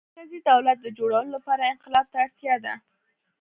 مرکزي دولت د جوړولو لپاره انقلاب ته اړتیا ده.